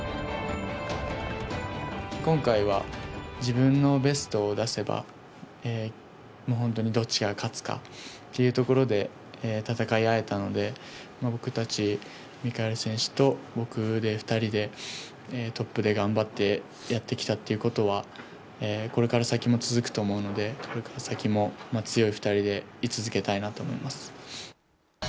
今回は自分のベストを出せば、本当にどっちが勝つかというところで戦い合えたので、僕たち、ミカエル選手と２人でトップで頑張ってやってきたっていうことはこれから先も続くと思うのでこれから先も強い２人でい続けたいなと思います。